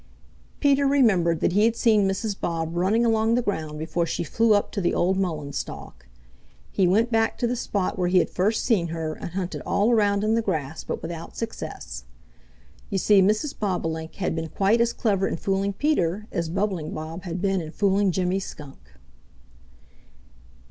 Peter remembered that he had seen Mrs. Bob running along the ground before she flew up to the old mullein stalk. He went back to the spot where he had first seen her and hunted all around in the grass, but without success. You see, Mrs. Bobolink had been quite as clever in fooling Peter as Bubbling Bob had been in fooling Jimmy Skunk.